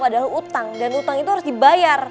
adalah utang dan utang itu harus dibayar